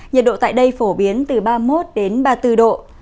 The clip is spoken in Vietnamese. nhật độ tại đây phổ biến từ ba mươi một ba mươi bốn độ